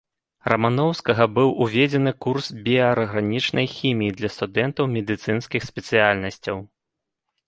Раманоўскага быў уведзены курс біяарганічнай хіміі для студэнтаў медыцынскіх спецыяльнасцяў.